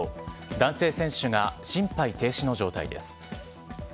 男性選手が心肺停止の状態です。